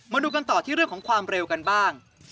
มาดูกันต่อที่เรื่องของความเร็วกันบ้าง